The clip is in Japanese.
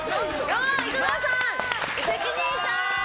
井戸田さん、責任者！